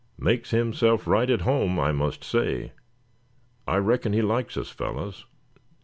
Makes himself right at home, I must say. I reckon he likes us, fellows."